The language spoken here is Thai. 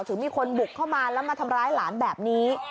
ถึงมีคนบุกเข้ามาแล้วมาทำร้ายหลานแบบนี้